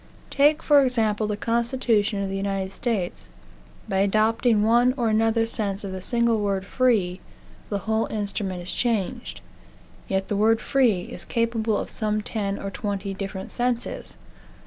Take, for example, the Constitution of the United States. By adopting one or another sense of the single word "free," the whole instrument is changed. Yet the word free is capable of some ten or twenty different senses.